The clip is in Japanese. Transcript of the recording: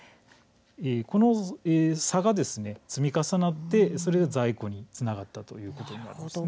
この差が積み重なって在庫につながったということになります。